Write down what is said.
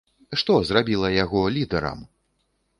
Што зрабіла яго лідэрам?